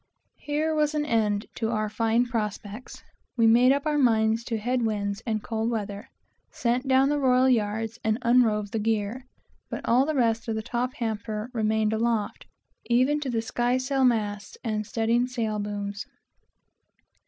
Here was an end to our fine prospects. We made up our minds to head winds and cold weather; sent down the royal yards, and unrove the gear, but all the rest of the top hamper remained aloft, even to the sky sail masts and studding sail booms.